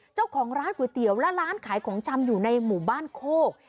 เจ้าของร้านก๋วยเตี๋ยวและร้านขายของชำอยู่ในหมู่บ้านโคก